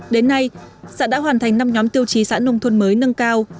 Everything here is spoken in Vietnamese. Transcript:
đến nay xã đã hoàn thành năm nhóm tiêu chí xã nông thôn mới nâng cao